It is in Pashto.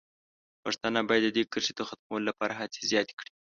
پښتانه باید د دې کرښې د ختمولو لپاره هڅې زیاتې کړي.